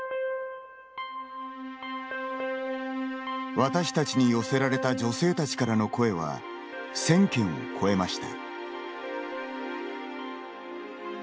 私たちに寄せられた女性たちからの声は１０００件を超えました。